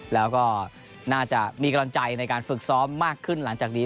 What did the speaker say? แล้วก็น่าจะมีกำลังใจในการฝึกซ้อมมากขึ้นหลังจากนี้